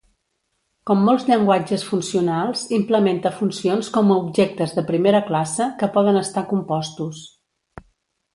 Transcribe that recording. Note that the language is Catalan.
Com molts llenguatges funcionals, implementa funcions com a objectes de primera classe, que poden estar compostos.